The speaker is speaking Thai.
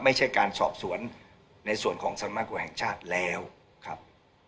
ไม่ใช่การสอบสวนในส่วนของสำนักกว่าแห่งชาติแล้วครับ